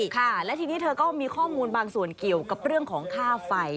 ตอนเดรังเธอก็มีข้อมูลบางส่วนเกี่ยวกับเรื่องของค่าไฟ